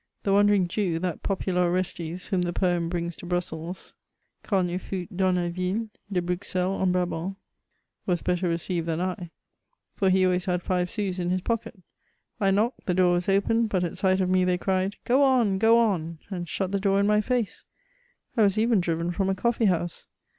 The Wan dering Jew, that popular Orestes whom the poem brings to Bmssek, *« Quand il fat dans hi yaie iDe BmxeUe en Brabant/' was better received tiian I, for he always had five sous in his pocket. I knocked ; the door was opened, but at si^it of me they cried, '^ Gio on, go on !" and shut the door in my hee, I was even driven from a eoffee^ honse.